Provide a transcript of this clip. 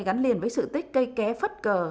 đưa chúng tôi đến nơi gắn liền với sự tích cây ké phất cờ